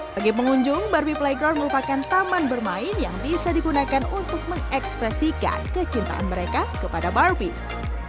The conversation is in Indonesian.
bagi pengunjung barbie playground merupakan taman bermain yang bisa digunakan untuk mengekspresikan kecintaan mereka kepada barbie